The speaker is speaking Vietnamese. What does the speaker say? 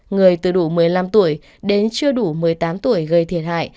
người từ đủ một mươi năm tuổi đến chưa đủ một mươi tám tuổi gây thiệt hại